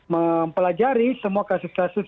mempelajari semua kasus kasus